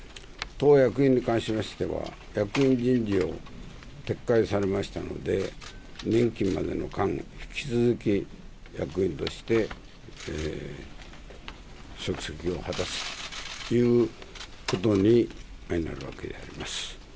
党役員に関しましては役員人事を撤回されましたので任期までの間、引き続き役員として職責を果たすということになるわけであります。